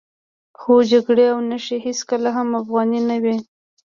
خو جګړې او نشې هېڅکله هم افغاني نه وې.